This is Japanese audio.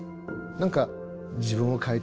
何か自分を変えていく。